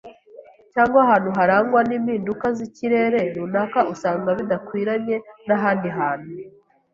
cyangwa ahantu harangwa n’impinduka z’ikirere runaka usanga bidakwiranye n’ahandi hantu.